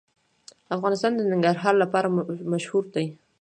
افغانستان د ننګرهار لپاره مشهور دی.